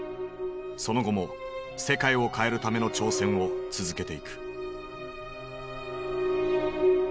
その後も世界を変えるための挑戦を続けていく。